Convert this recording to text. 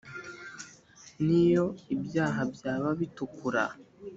niyo ibyaha byaba bitukura